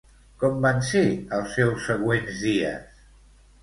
Com van ser els seus següents dies?